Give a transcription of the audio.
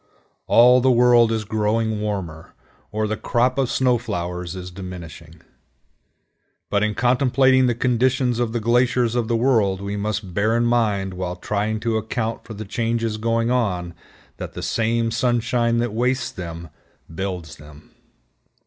All the world is growing warmer, or the crop of snow flowers is diminishing. But in contemplating the condition of the glaciers of the world, we must bear in mind while trying to account for the changes going on that the same sunshine that wastes them builds them.